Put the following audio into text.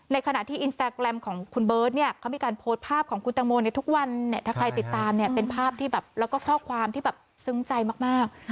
ขณะที่อินสตาแกรมของคุณเบิร์ตเนี่ยเขามีการโพสต์ภาพของคุณตังโมในทุกวันเนี่ยถ้าใครติดตามเนี่ยเป็นภาพที่แบบแล้วก็ข้อความที่แบบซึ้งใจมาก